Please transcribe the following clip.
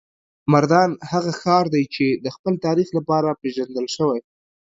مردان هغه ښار دی چې د خپل تاریخ لپاره پیژندل شوی.